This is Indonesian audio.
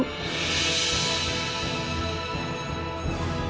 harapan untuk sembuh itu pasti ada bu